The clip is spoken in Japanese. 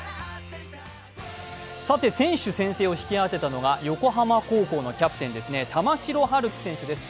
選手宣誓を引き当てたのが横浜高校のキャプテン玉城陽希選手です。